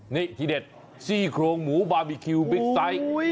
นี่ที่เด็ดซี่โครงหมูบาร์บีคิวบิ๊กไซต์